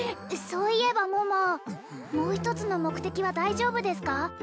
そういえば桃もう一つの目的は大丈夫ですか？